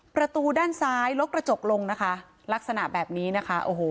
ประตูด้านซ้ายลดกระจกลงนะคะลักษณะแบบนี้นะคะโอ้โห